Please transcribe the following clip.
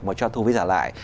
mà cho thu vi giả lại